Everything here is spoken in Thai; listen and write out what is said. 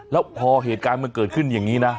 แล้วพอเหตุการณ์มันเกิดขึ้นอย่างนี้นะ